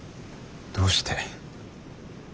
どうして。